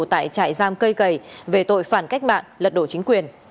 tại trại giam cây gầy về tội phản cách mạng lật đổ chính quyền